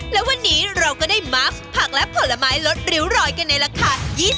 และวันนี้เราก็ได้มัสผักและผลไม้ลดริ้วรอยกันในราคา